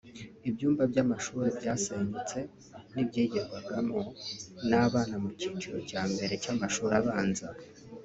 Ibyumba by’amashuri byasenyutse n’ibyigirwagamo n’abana mu cyiciro cya mbere cy’amashuri abanza